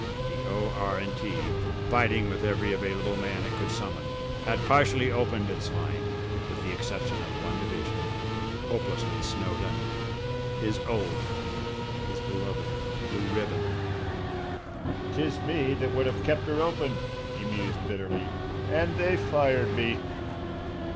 The O.R.& T., fighting with every available man it could summon, had partially opened its line, with the exception of one division, hopelessly snowed under his old, his beloved Blue Ribbon. "Tis me that would have kept 'er open," he mused bitterly. "And they fired me!"